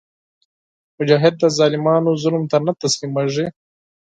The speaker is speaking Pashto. مجاهد د ظالمانو ظلم ته نه تسلیمیږي.